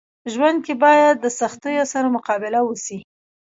ژوند کي باید د سختيو سره مقابله وسي.